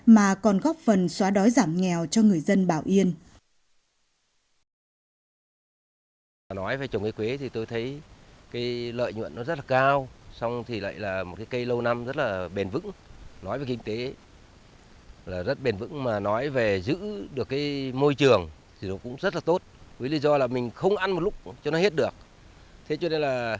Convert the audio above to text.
mà còn góp phần xóa đói giảm nghèo cho người dân bảo yên